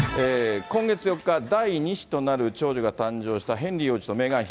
今月４日、第２子となる長女が誕生したヘンリー王子とメーガン妃。